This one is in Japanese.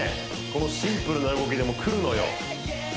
このシンプルな動きでもくるのよ